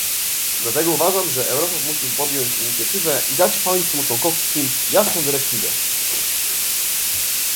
Dlatego uważam, że Europa musi podjąć inicjatywę i dać państwom członkowskim jasną dyrektywę